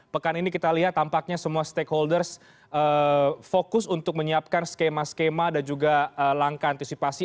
pekan ini kita lihat tampaknya semua stakeholders fokus untuk menyiapkan skema skema dan juga langkah antisipasi